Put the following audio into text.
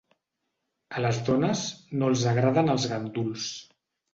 A les dones no els agraden els ganduls.